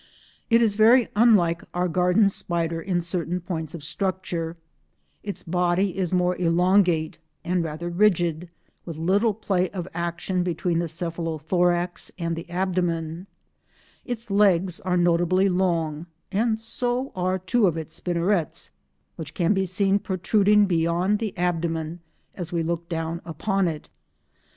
It is very unlike our garden spider in certain points of structure; its body is more elongate and rather rigid, with little play of action between the cephalothorax and the abdomen; its legs are notably long, and so are two of its spinnerets, which can be seen protruding beyond the abdomen as we look down upon it.